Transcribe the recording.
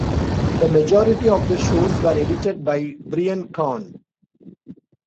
The majority of the shows were edited by Brian Karn.